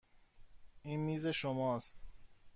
این میز شماست.